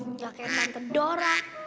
gak kayak tante dora